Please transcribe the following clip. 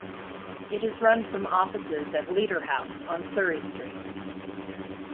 It is run from offices at Leader House on Surrey Street.